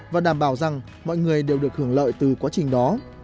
và đảm bảo rằng mọi người đều được hưởng lợi từ quá trình đó